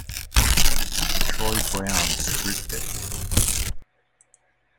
Troy Brown stripped it.